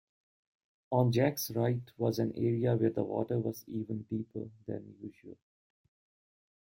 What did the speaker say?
On Jack’s right was an area where the water was even deeper than usual